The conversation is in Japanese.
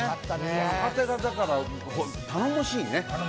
若手が頼もしいね。